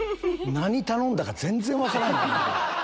何頼んだか全然分からんよね。